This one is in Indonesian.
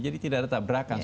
jadi tidak ada tabrakan